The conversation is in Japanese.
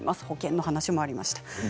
保険の話もありました。